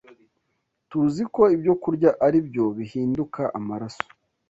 Tuzi ko ibyokurya ari byo bihinduka amaraso